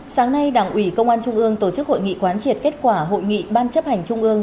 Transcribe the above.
sáng nay đảng ủy công an trung ương tổ chức hội nghị quán triệt kết quả hội nghị ban chấp hành trung ương